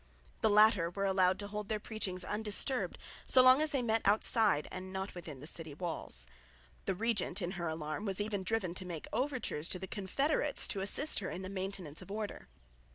The latter were allowed to hold their preachings undisturbed, so long as they met outside and not within the city walls. The regent in her alarm was even driven to make overtures to the confederates to assist her in the maintenance of order.